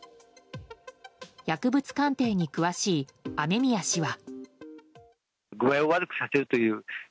薬物鑑定に詳しい雨宮氏は。